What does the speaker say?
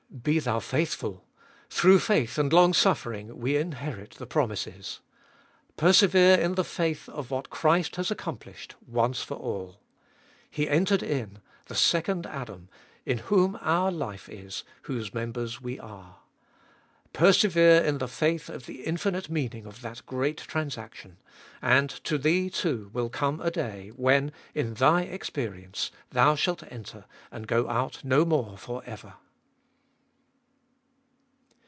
Be thou faithful, through faith and longsuffering we inherit the promises. Persevere in the faith of what Christ has accomplished once for all. He entered in, the Second Adam, in whom our life is, whose members we are. Persevere in the faith of the infinite meaning of that great transaction. And to thee, too, will come a day when, in thy experience, thou shalt enter, and go out no more for ever.